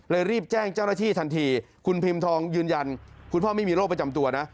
รีบแจ้งเจ้าหน้าที่ทันทีคุณพิมพ์ทองยืนยันคุณพ่อไม่มีโรคประจำตัวนะ